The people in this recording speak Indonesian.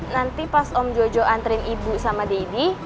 nanti pas om jojo anterin ibu sama didi